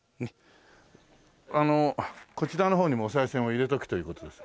あのこちらの方にもおさい銭を入れとくという事です。